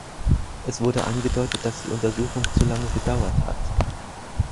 Es wurde angedeutet, dass die Untersuchung zu lange gedauert hat.